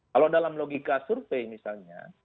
kalau dalam logika survei misalnya